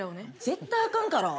絶対あかんから。